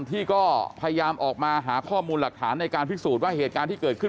ที่ก็พยายามออกมาหาข้อมูลหลักฐานในการพิสูจน์ว่าเหตุการณ์ที่เกิดขึ้น